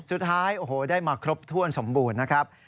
สุดท้ายโอ้โหได้มาครบถ้วนสมบูรณ์นะครับ